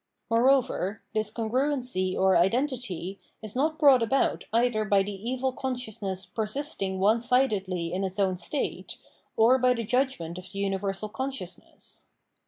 Moreover, this congruency or identity, is not brought about either by the evil consciousness per sisting onesidedly in its own state, or by the judgment of the universal consciousness.